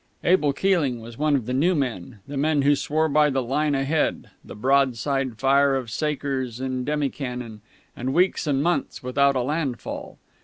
Abel Keeling was one of the new men, the men who swore by the line ahead, the broadside fire of sakers and demi cannon, and weeks and months without a landfall.